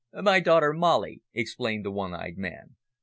"My daughter, Dolly," explained the one eyed man.